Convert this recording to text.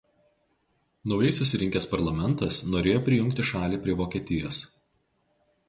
Naujai susirinkęs parlamentas norėjo prijungti šalį prie Vokietijos.